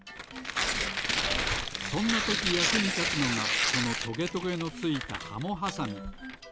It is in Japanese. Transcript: そんなときやくにたつのがこのトゲトゲのついたハモはさみ。